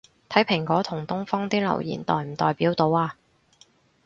睇蘋果同東方啲留言代唔代表到吖